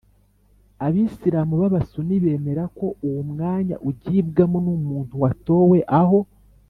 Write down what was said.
abisilamu b’abasuni bemera ko uwo mwanya ugibwamo n’umuntu watowe aho